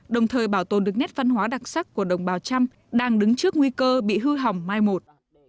đồng thời bảo tồn được nét văn hóa đặc sắc của đồng bào trăm đang đứng trước nguy cơ bị hư hỏng mai một